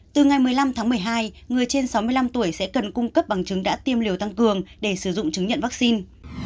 từ ngày một mươi năm tháng một mươi hai người trên sáu mươi năm tuổi sẽ cần cung cấp bằng chứng đã tiêm liều tăng cường để sử dụng chứng nhận vaccine